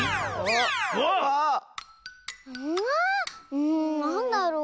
うんなんだろう？